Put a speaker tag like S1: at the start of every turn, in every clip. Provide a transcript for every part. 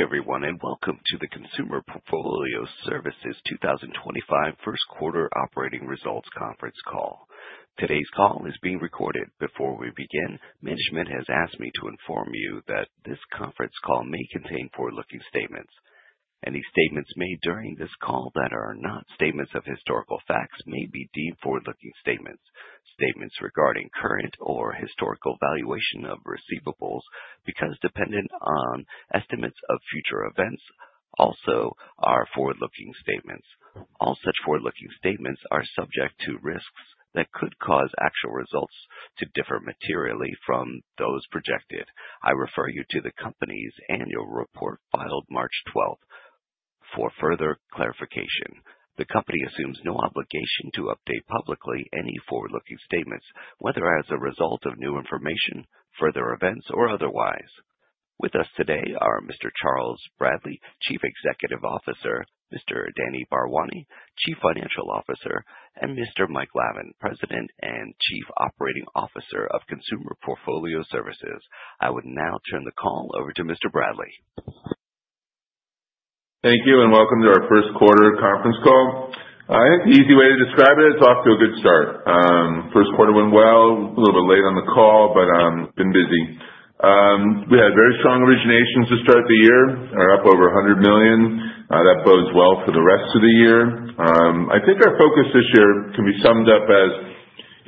S1: Good day, everyone, and welcome to the Consumer Portfolio Services 2025 First Quarter Operating Results Conference call. Today's call is being recorded. Before we begin, management has asked me to inform you that this conference call may contain forward-looking statements. Any statements made during this call that are not statements of historical facts may be deemed forward-looking statements. Statements regarding current or historical valuation of receivables, because dependent on estimates of future events, also are forward-looking statements. All such forward-looking statements are subject to risks that could cause actual results to differ materially from those projected. I refer you to the company's annual report filed March 12th for further clarification. The company assumes no obligation to update publicly any forward-looking statements, whether as a result of new information, further events, or otherwise. With us today are Mr. Charles Bradley, Chief Executive Officer; Mr. Danny Bharwani, Chief Financial Officer; and Mr. Mike Lavin, President and Chief Operating Officer of Consumer Portfolio Services. I would now turn the call over to Mr. Bradley.
S2: Thank you, and welcome to our first quarter conference call. I think the easy way to describe it is off to a good start. First quarter went well. A little bit late on the call, but been busy. We had very strong originations to start the year, up over $100 million. That bodes well for the rest of the year. I think our focus this year can be summed up as,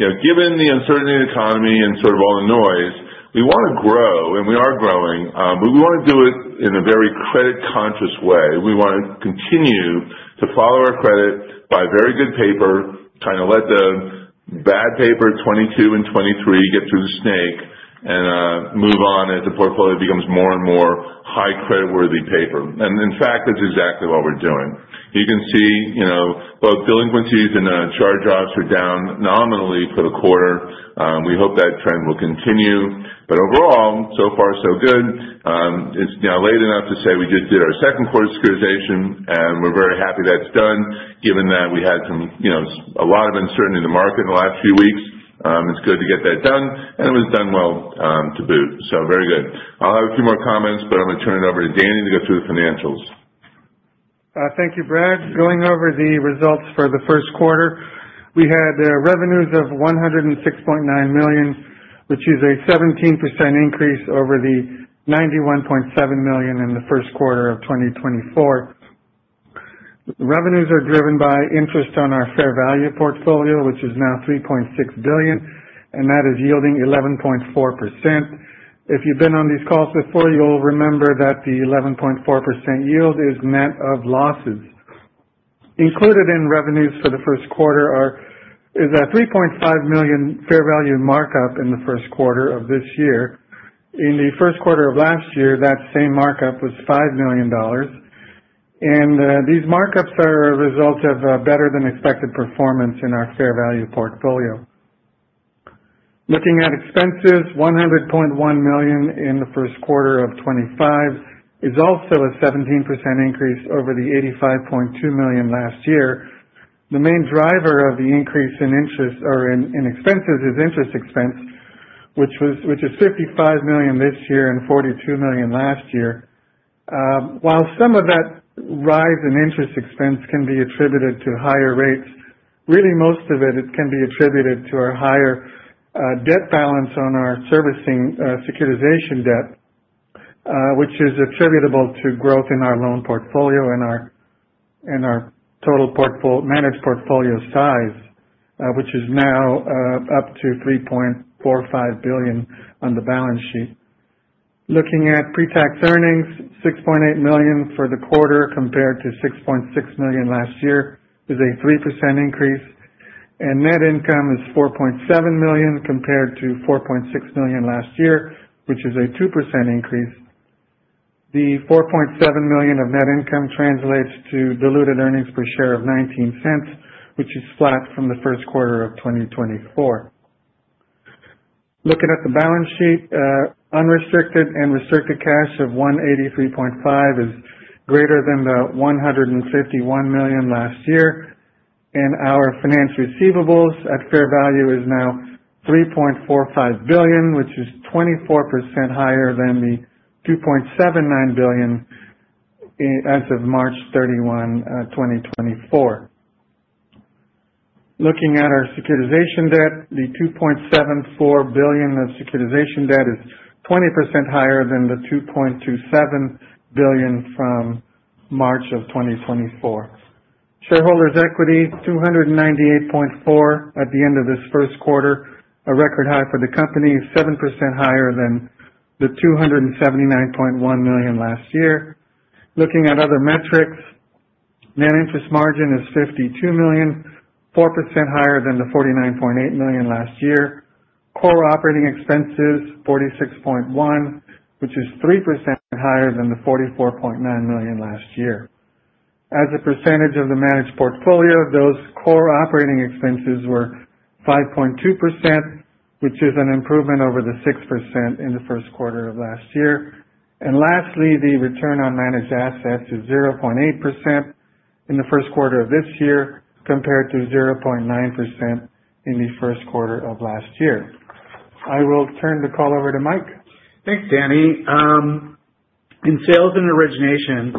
S2: given the uncertainty in the economy and sort of all the noise, we want to grow, and we are growing, but we want to do it in a very credit-conscious way. We want to continue to follow our credit by very good paper, kind of let the bad paper 2022 and 2023 get through the snake and move on as the portfolio becomes more and more high credit-worthy paper. In fact, that's exactly what we're doing. You can see both delinquencies and charge-offs are down nominally for the quarter. We hope that trend will continue. Overall, so far, so good. It's now late enough to say we just did our second quarter securitization, and we're very happy that's done, given that we had a lot of uncertainty in the market in the last few weeks. It's good to get that done, and it was done well to boot. Very good. I'll have a few more comments, but I'm going to turn it over to Danny to go through the financials.
S3: Thank you, Brad. Going over the results for the first quarter, we had revenues of $106.9 million, which is a 17% increase over the $91.7 million in the first quarter of 2024. Revenues are driven by interest on our fair value portfolio, which is now $3.6 billion, and that is yielding 11.4%. If you've been on these calls before, you'll remember that the 11.4% yield is net of losses. Included in revenues for the first quarter is a $3.5 million fair value markup in the first quarter of this year. In the first quarter of last year, that same markup was $5 million. These markups are a result of better-than-expected performance in our fair value portfolio. Looking at expenses, $100.1 million in the first quarter of 2025 is also a 17% increase over the $85.2 million last year. The main driver of the increase in interest or in expenses is interest expense, which is $55 million this year and $42 million last year. While some of that rise in interest expense can be attributed to higher rates, really most of it can be attributed to our higher debt balance on our servicing securitization debt, which is attributable to growth in our loan portfolio and our total managed portfolio size, which is now up to $3.45 billion on the balance sheet. Looking at pre-tax earnings, $6.8 million for the quarter compared to $6.6 million last year is a 3% increase. Net income is $4.7 million compared to $4.6 million last year, which is a 2% increase. The $4.7 million of net income translates to diluted earnings per share of $0.19, which is flat from the first quarter of 2024. Looking at the balance sheet, unrestricted and restricted cash of $183.5 million is greater than the $151 million last year. Our finance receivables at fair value is now $3.45 billion, which is 24% higher than the $2.79 billion as of March 31, 2024. Looking at our securitization debt, the $2.74 billion of securitization debt is 20% higher than the $2.27 billion from March of 2024. Shareholders' equity, $298.4 million at the end of this first quarter, a record high for the company, 7% higher than the $279.1 million last year. Looking at other metrics, net interest margin is $52 million, 4% higher than the $49.8 million last year. Core operating expenses, $46.1 million, which is 3% higher than the $44.9 million last year. As a percentage of the managed portfolio, those core operating expenses were 5.2%, which is an improvement over the 6% in the first quarter of last year. Lastly, the return on managed assets is 0.8% in the first quarter of this year compared to 0.9% in the first quarter of last year. I will turn the call over to Mike.
S4: Thanks, Danny. In sales and originations,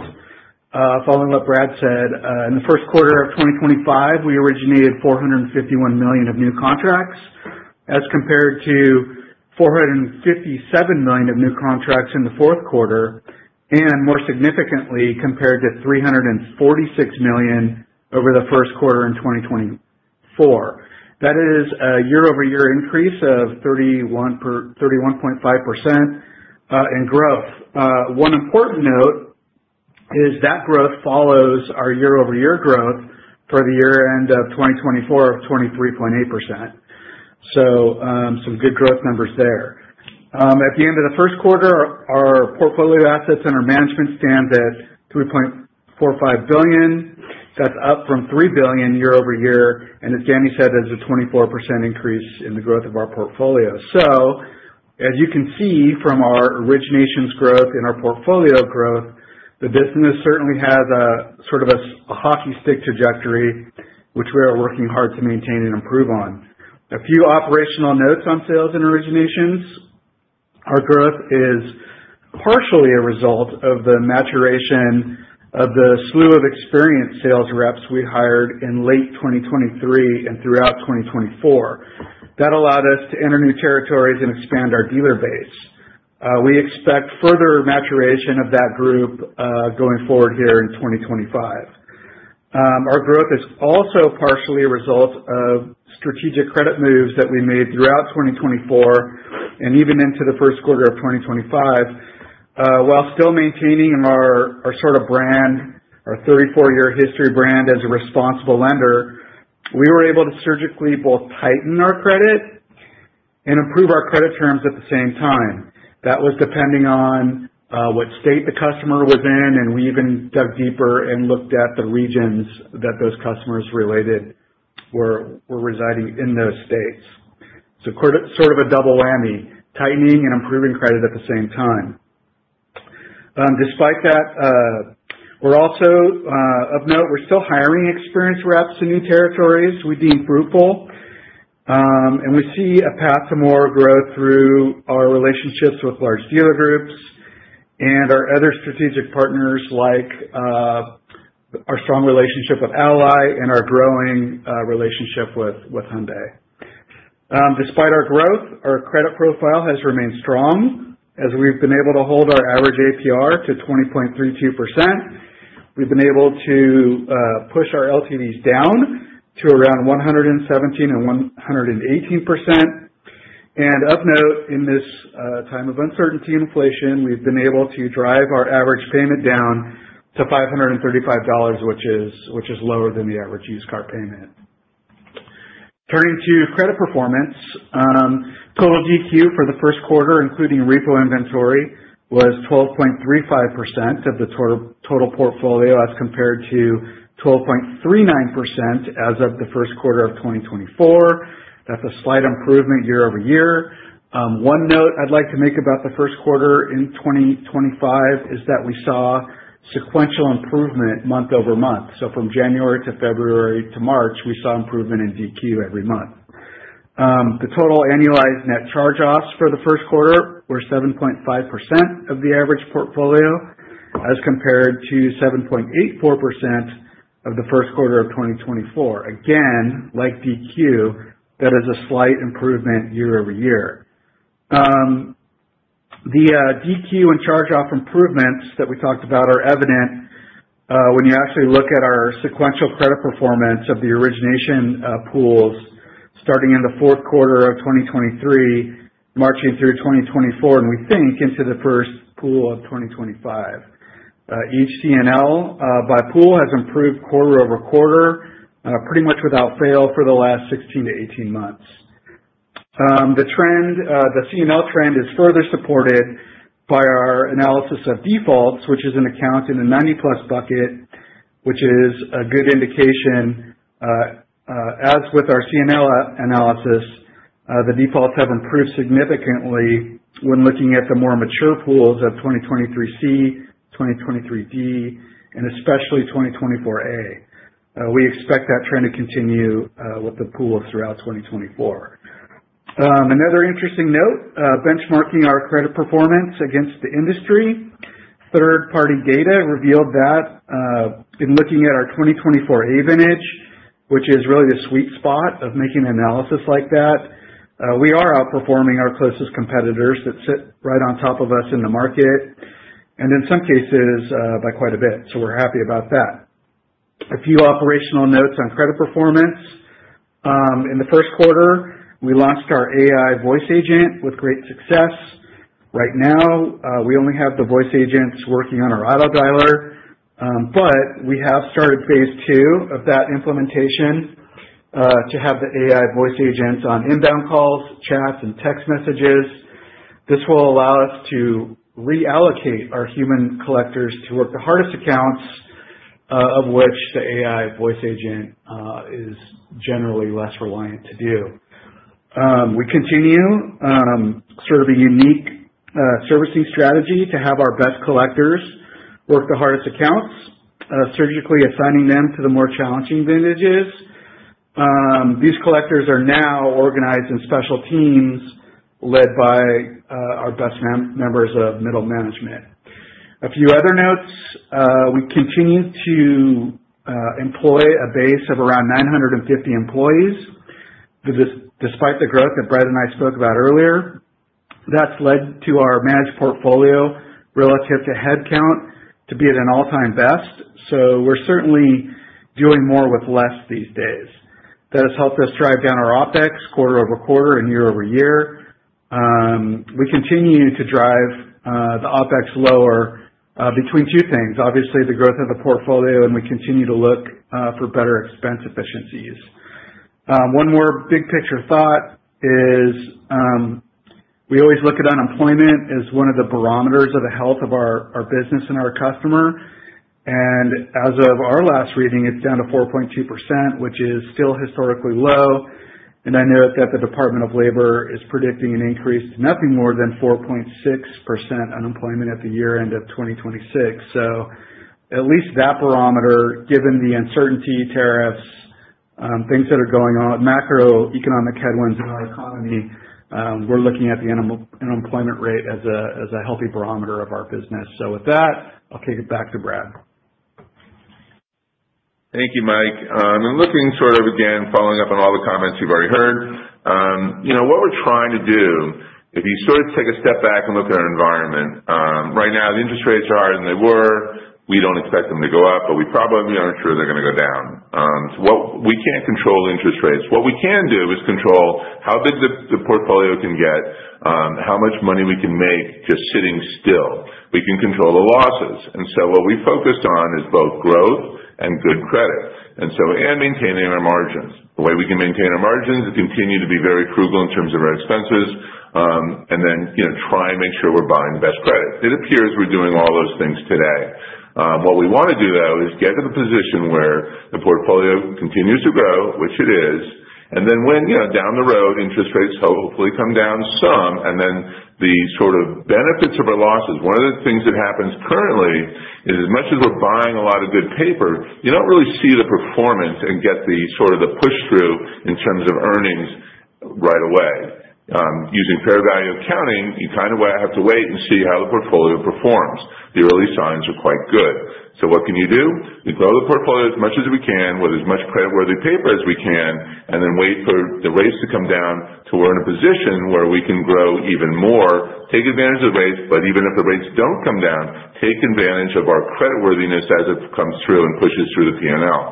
S4: following what Brad said, in the first quarter of 2025, we originated $451 million of new contracts as compared to $457 million of new contracts in the fourth quarter, and more significantly, compared to $346 million over the first quarter in 2024. That is a year-over-year increase of 31.5% in growth. One important note is that growth follows our year-over-year growth for the year-end of 2024 of 23.8%. Some good growth numbers there. At the end of the first quarter, our portfolio assets under management stand at $3.45 billion. That's up from $3 billion year-over-year, and as Danny said, there's a 24% increase in the growth of our portfolio. As you can see from our originations growth and our portfolio growth, the business certainly has a sort of a hockey stick trajectory, which we are working hard to maintain and improve on. A few operational notes on sales and originations. Our growth is partially a result of the maturation of the slew of experienced sales reps we hired in late 2023 and throughout 2024. That allowed us to enter new territories and expand our dealer base. We expect further maturation of that group going forward here in 2025. Our growth is also partially a result of strategic credit moves that we made throughout 2024 and even into the first quarter of 2025. While still maintaining our sort of brand, our 34-year history brand as a responsible lender, we were able to surgically both tighten our credit and improve our credit terms at the same time. That was depending on what state the customer was in, and we even dug deeper and looked at the regions that those customers related were residing in those states. Sort of a double whammy, tightening and improving credit at the same time. Despite that, we're also, of note, we're still hiring experienced reps in new territories we deem fruitful, and we see a path to more growth through our relationships with large dealer groups and our other strategic partners, like our strong relationship with Ally and our growing relationship with Hyundai. Despite our growth, our credit profile has remained strong as we've been able to hold our average APR to 20.32%. We've been able to push our LTVs down to around 117-118%. Of note, in this time of uncertainty and inflation, we've been able to drive our average payment down to $535, which is lower than the average used car payment. Turning to credit performance, total GQ for the first quarter, including repo inventory, was 12.35% of the total portfolio as compared to 12.39% as of the first quarter of 2024. That is a slight improvement year-over-year. One note I would like to make about the first quarter in 2025 is that we saw sequential improvement month over month. From January to February to March, we saw improvement in GQ every month. The total annualized net charge-offs for the first quarter were 7.5% of the average portfolio as compared to 7.84% of the first quarter of 2024. Again, like GQ, that is a slight improvement year-over-year. The GQ and charge-off improvements that we talked about are evident when you actually look at our sequential credit performance of the origination pools starting in the fourth quarter of 2023, marching through 2024, and we think into the first pool of 2025. Each C&L by pool has improved quarter over quarter, pretty much without fail for the last 16-18 months. The C&L trend is further supported by our analysis of defaults, which is an account in a 90-plus bucket, which is a good indication. As with our C&L analysis, the defaults have improved significantly when looking at the more mature pools of 2023-C, 2023-D, and especially 2024-A. We expect that trend to continue with the pools throughout 2024. Another interesting note, benchmarking our credit performance against the industry, third-party data revealed that in looking at our 2024 A-vintage, which is really the sweet spot of making analysis like that, we are outperforming our closest competitors that sit right on top of us in the market, and in some cases, by quite a bit. We are happy about that. A few operational notes on credit performance. In the first quarter, we launched our AI voice agent with great success. Right now, we only have the voice agents working on our auto dialer, but we have started phase two of that implementation to have the AI voice agents on inbound calls, chats, and text messages. This will allow us to reallocate our human collectors to work the hardest accounts, of which the AI voice agent is generally less reliant to do. We continue sort of a unique servicing strategy to have our best collectors work the hardest accounts, surgically assigning them to the more challenging vintages. These collectors are now organized in special teams led by our best members of middle management. A few other notes, we continue to employ a base of around 950 employees, despite the growth that Brad and I spoke about earlier. That's led to our managed portfolio relative to headcount to be at an all-time best. We're certainly doing more with less these days. That has helped us drive down our OPEX quarter over quarter and year over year. We continue to drive the OPEX lower between two things. Obviously, the growth of the portfolio, and we continue to look for better expense efficiencies. One more big-picture thought is we always look at unemployment as one of the barometers of the health of our business and our customer. As of our last reading, it's down to 4.2%, which is still historically low. I note that the Department of Labor is predicting an increase to nothing more than 4.6% unemployment at the year-end of 2026. At least that barometer, given the uncertainty, tariffs, things that are going on, macroeconomic headwinds in our economy, we're looking at the unemployment rate as a healthy barometer of our business. With that, I'll kick it back to Brad.
S2: Thank you, Mike. Looking sort of again, following up on all the comments you've already heard, what we're trying to do, if you sort of take a step back and look at our environment, right now, the interest rates are higher than they were. We don't expect them to go up, but we probably aren't sure they're going to go down. We can't control interest rates. What we can do is control how big the portfolio can get, how much money we can make just sitting still. We can control the losses. What we focused on is both growth and good credit, and maintaining our margins. The way we can maintain our margins is to continue to be very frugal in terms of our expenses, and then try and make sure we're buying the best credit. It appears we're doing all those things today. What we want to do, though, is get to the position where the portfolio continues to grow, which it is, and then when down the road, interest rates hopefully come down some, and then the sort of benefits of our losses. One of the things that happens currently is as much as we're buying a lot of good paper, you do not really see the performance and get the sort of the push-through in terms of earnings right away. Using fair value accounting, you kind of have to wait and see how the portfolio performs. The early signs are quite good. So what can you do? We grow the portfolio as much as we can with as much credit-worthy paper as we can, and then wait for the rates to come down to where we're in a position where we can grow even more, take advantage of the rates, but even if the rates don't come down, take advantage of our creditworthiness as it comes through and pushes through the P&L.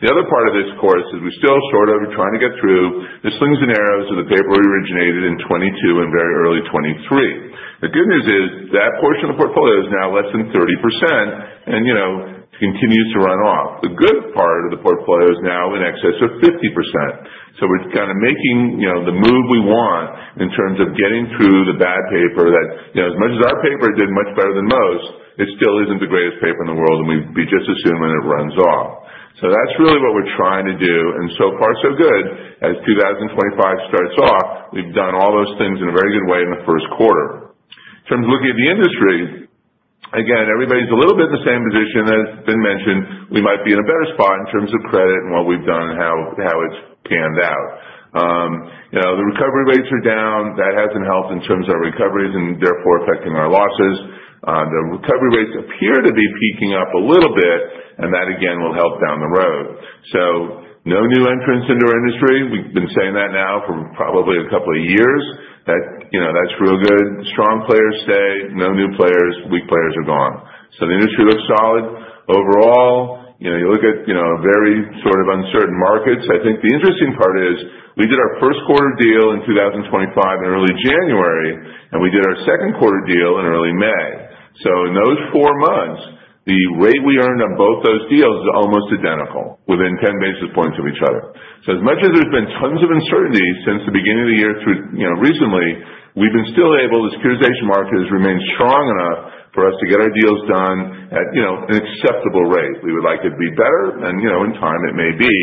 S2: The other part of this, of course, is we're still sort of trying to get through the slings and arrows of the paper we originated in 2022 and very early 2023. The good news is that portion of the portfolio is now less than 30% and continues to run off. The good part of the portfolio is now in excess of 50%. We're kind of making the move we want in terms of getting through the bad paper that, as much as our paper did much better than most, it still isn't the greatest paper in the world, and we just assume when it runs off. That's really what we're trying to do. So far, so good. As 2025 starts off, we've done all those things in a very good way in the first quarter. In terms of looking at the industry, again, everybody's a little bit in the same position as has been mentioned. We might be in a better spot in terms of credit and what we've done and how it's panned out. The recovery rates are down. That hasn't helped in terms of our recoveries and therefore affecting our losses. The recovery rates appear to be peaking up a little bit, and that, again, will help down the road. No new entrants into our industry. We've been saying that now for probably a couple of years. That's real good. Strong players stay. No new players. Weak players are gone. The industry looks solid overall. You look at very sort of uncertain markets. I think the interesting part is we did our first quarter deal in 2025 in early January, and we did our second quarter deal in early May. In those four months, the rate we earned on both those deals is almost identical within 10 basis points of each other. As much as there's been tons of uncertainty since the beginning of the year recently, we've been still able to secure the market has remained strong enough for us to get our deals done at an acceptable rate. We would like it to be better, and in time, it may be.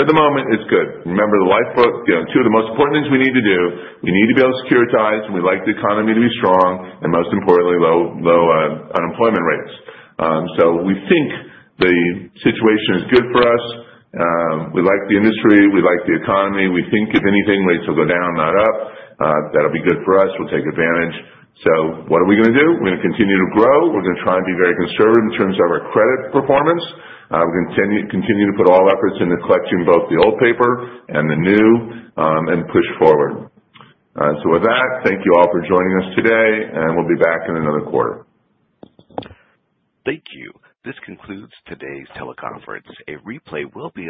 S2: At the moment, it's good. Remember, the life book, two of the most important things we need to do, we need to be able to securitize. We like the economy to be strong, and most importantly, low unemployment rates. We think the situation is good for us. We like the industry. We like the economy. We think if anything, rates will go down, not up. That'll be good for us. We'll take advantage. What are we going to do? We're going to continue to grow. We're going to try and be very conservative in terms of our credit performance. We're going to continue to put all efforts into collecting both the old paper and the new and push forward. Thank you all for joining us today, and we'll be back in another quarter.
S1: Thank you. This concludes today's teleconference. A replay will be.